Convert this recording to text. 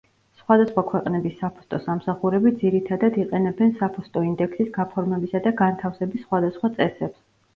სხვადასხვა ქვეყნების საფოსტო სამსახურები ძირითადად იყენებენ საფოსტო ინდექსის გაფორმებისა და განთავსების სხვადასხვა წესებს.